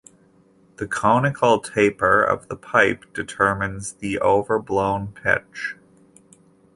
The conical taper of the pipe determines the overblown pitch.